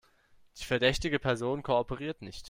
Die verdächtige Person kooperiert nicht.